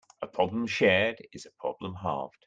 A problem shared is a problem halved.